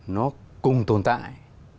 nó cùng tồn tại